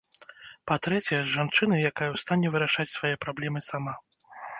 Па-трэцяе, з жанчынай, якая ў стане вырашаць свае праблемы сама.